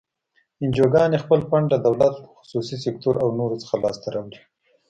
انجوګانې خپل فنډ له دولت، خصوصي سکتور او نورو څخه لاس ته راوړي.